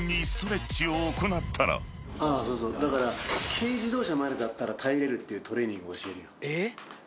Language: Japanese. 軽自動車までだったら耐えれるっていうトレーニング教えるよ。